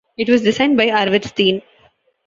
It was designed by Arvid Steen.